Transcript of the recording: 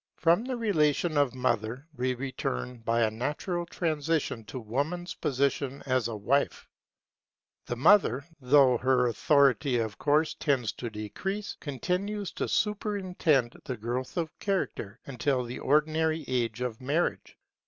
From the relation of mother we return by a natural transition to Woman's position as a wife. The mother, though her authority of course tends to decrease, continues to superintend the growth of character until the ordinary age of marriage.